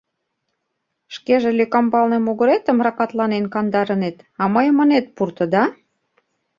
— Шкеже лӧкамбалне могыретым ракатланен кандарынет, а мыйым ынет пурто, да?